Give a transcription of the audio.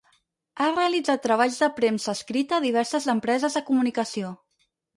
Ha realitzat treballs de premsa escrita a diverses empreses de comunicació.